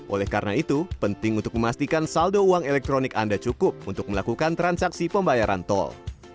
oleh karena itu penting untuk memastikan saldo uang elektronik anda cukup untuk melakukan transaksi pembayaran tol